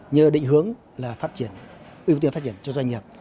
nhờ định hướng là phát triển ưu tiên phát triển cho doanh nghiệp